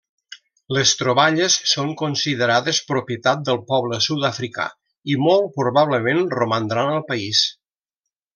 Les troballes són considerades propietat del poble sud-africà i molt probablement romandran al país.